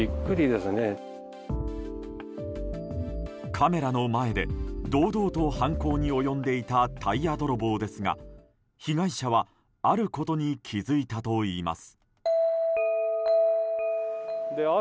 カメラの前で堂々と犯行に及んでいたタイヤ泥棒ですが、被害者はあることに気付いたといいます。